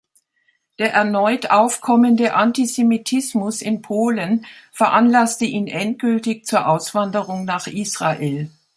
Der erneut aufkommende Antisemitismus in Polen veranlasste ihn endgültig zur Auswanderung nach Israel.